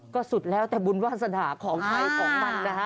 ก็สุดแล้วแต่บุญวาสนาของใครของมันนะฮะ